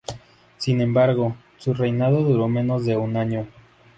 Sin embargo, su reinado duró menos de un año.